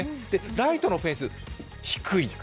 ライトフェンス、低い。